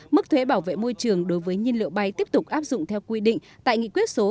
mức thuế bảo vệ môi trường đối với nhiên liệu bay tiếp tục áp dụng theo quy định tại nghị quyết số năm